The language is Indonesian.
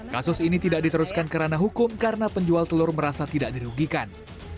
kasus ini tidak diteruskan kerana hukum karena penjual telur merasa tidak dirugikan